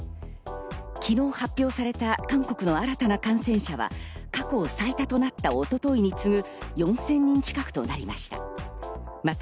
昨日発表された韓国の新たな感染者は過去最多となった一昨日に次ぐ４０００人近くとなりました。